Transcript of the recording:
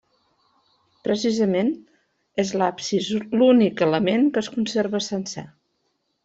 Precisament és l'absis l'únic element que es conserva sencer.